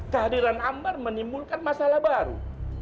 kehadiran ambar menimbulkan masalah baru